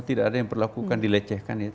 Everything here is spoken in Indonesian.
tidak ada yang berlakukan dilecehkan